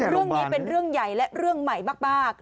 เรื่องนี้เป็นเรื่องใหญ่และเรื่องใหม่มาก